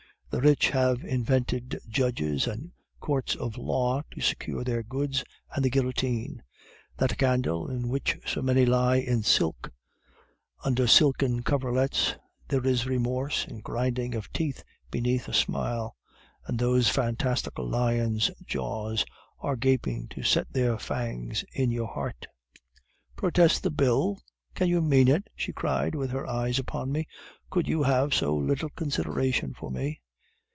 The rich have invented judges and courts of law to secure their goods, and the guillotine that candle in which so many lie in silk, under silken coverlets, there is remorse, and grinding of teeth beneath a smile, and those fantastical lions' jaws are gaping to set their fangs in your heart." "'"Protest the bill! Can you mean it?" she cried, with her eyes upon me; "could you have so little consideration for me?"